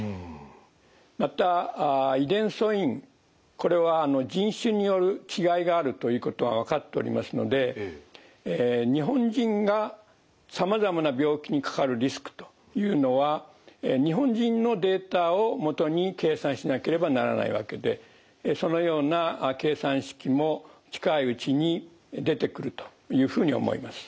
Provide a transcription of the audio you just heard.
これは人種による違いがあるということが分かっておりますので日本人がさまざまな病気にかかるリスクというのは日本人のデータをもとに計算しなければならないわけでそのような計算式も近いうちに出てくるというふうに思います。